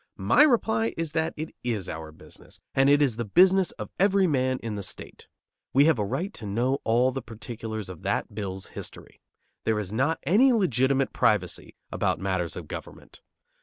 My reply is that it is our business, and it is the business of every man in the state; we have a right to know all the particulars of that bill's history. There is not any legitimate privacy about matters of government.